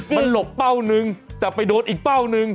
มันหลบเป้านึงแต่ไปโดนอีกเป้าหนึ่ง